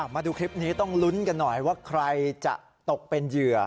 มาดูคลิปนี้ต้องลุ้นกันหน่อยว่าใครจะตกเป็นเหยื่อ